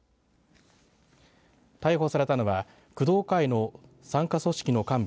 逮捕されたのは工藤会の傘下組織の幹部